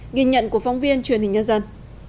nghiên nhận của phóng viên truyền hình nhân dân